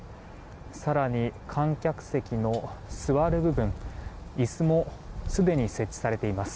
更に、観客席の座る部分椅子もすでに設置されています。